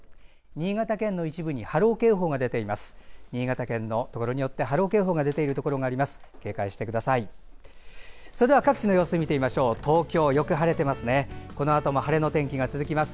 新潟県の一部に波浪警報が出ています。